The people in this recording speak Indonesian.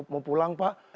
mau pulang pak